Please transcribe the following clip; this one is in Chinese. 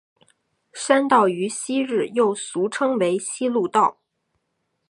山道于昔日又俗称为希路道。